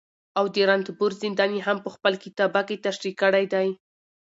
او د رنتبور زندان يې هم په خپل کتابکې تشريح کړى دي